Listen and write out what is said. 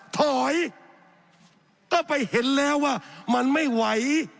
ถอยก็ไปเห็นแล้วว่ามันไม่ไหว